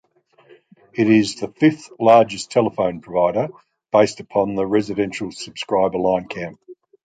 It is the fifth largest telephone provider based upon residential subscriber line count.